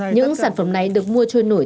những sản phẩm này được mua trôi nổi